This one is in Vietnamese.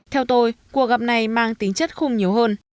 theo tôi cuộc gặp này mang tính chất khung nhiều hơn